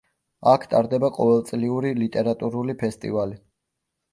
აქ ტარდება ყოველწლიური ლიტერატურული ფესტივალი.